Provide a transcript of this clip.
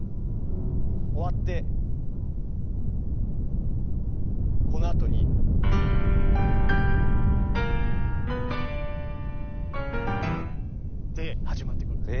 終わってこのあとに。って始まっていくんです。